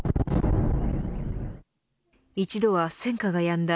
一度は戦火がやんだ